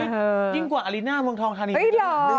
ยิ่งกว่าอลิน่ามวงทองธรรมิสินิน